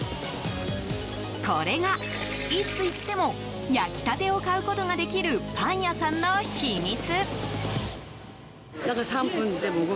これが、いつ行っても焼きたてを買うことができるパン屋さんの秘密。